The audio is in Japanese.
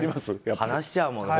話しちゃうもんね。